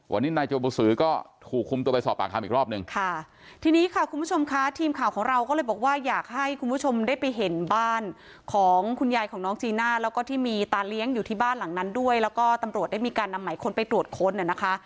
วันนี้นายจบูสือก็ถูกคุมตัวไปสอบปากคำอีกรอบหนึ่งค่ะทีนี้ค่ะคุณผู้ชมค่ะทีมข่าวของเราก็เลยบอกว่าอยากให้คุณผู้ชมได้ไปเห็นบ้านของคุณยายของน้องจีน่าแล้วก็ที่มีตาเลี้ยงอยู่ที่บ้านหลังนั้นด้วยแล้วก็ตำรวจได้มีการนำหมายค้นไปตรวจค้นน่ะนะคะ